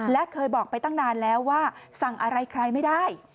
และเคยบอกไปตั้งนานแล้วว่าสั่งอะไรใครไม่ได้